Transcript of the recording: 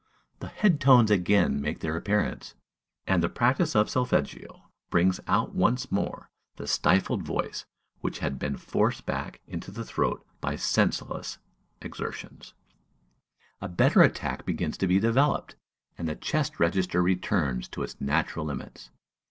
The head tones again make their appearance, and the practice of solfeggio brings out once more the stifled voice which had been forced back into the throat by senseless exertions; a better attack begins to be developed, and the chest register returns to its natural limits.